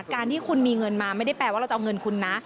การที่คุณมีเงินมาไม่ได้แปลว่าเราจะเอาเงินคุณนะ